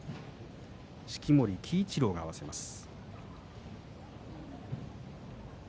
式守鬼一郎が合わせます。